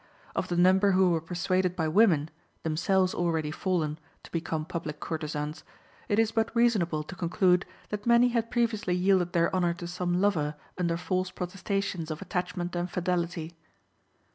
Of the number who were persuaded by women, themselves already fallen, to become public courtesans, it is but reasonable to conclude that many had previously yielded their honor to some lover under false protestations of attachment and fidelity.